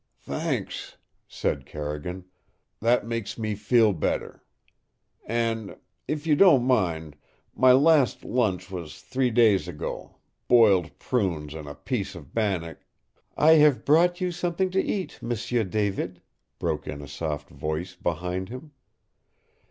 "Thanks," said Carrigan. "That makes me feel better. And if you don't mind my last lunch was three days ago, boiled prunes and a piece of bannock " "I have brought you something to eat, M'sieu David," broke in a soft voice behind him.